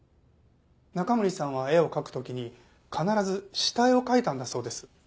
中森さんは絵を描く時に必ず下絵を描いたんだそうです。